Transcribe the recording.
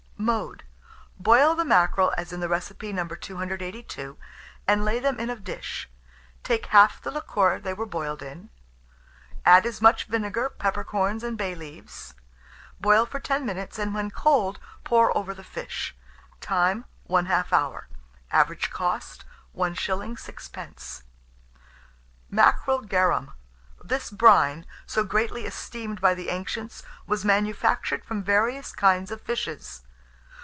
Mode. Boil the mackerel as in the recipe No. 282, and lay them in a dish; take half the liquor they were boiled in; add as much vinegar, peppercorns, and bay leaves; boil for 10 minutes, and when cold, pour over the fish. Time. 1/2 hour. Average cost, 1s. 6d. MACKEREL GARUM. This brine, so greatly esteemed by the ancients, was manufactured from various kinds of fishes.